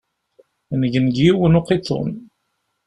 Ngen deg yiwen n uqiḍun.